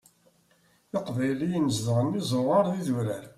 Iqbayliyen zedɣen izuɣar d yidurar.